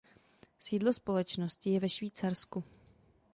Sídlo společnosti je ve Švýcarsku.